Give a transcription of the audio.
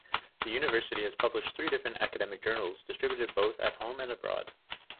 The university has published three different academic journals, distributed both at home and abroad.